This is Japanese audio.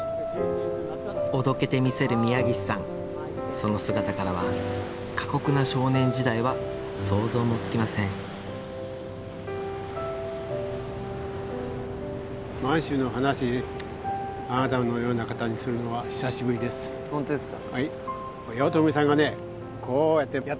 その姿からは過酷な少年時代は想像もつきません本当ですか。